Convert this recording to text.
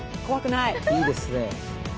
いいですね。